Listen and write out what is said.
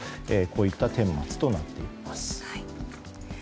こういった顛末となっています。